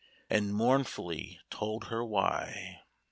And mournfully told her why.